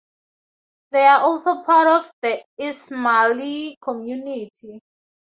They are also part of the Ismaili community.